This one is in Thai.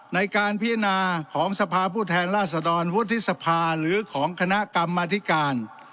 ในการพิจารณาของสภาผู้แทนราษฎรวุฒิสภาหรือของคณะกรรมธิการ